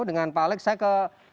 dengan pak alex saya ke